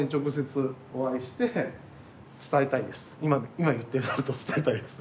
今言ったようなことを伝えたいです。